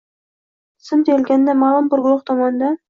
Tizim deyilganda ma’lum bir guruh tomonidan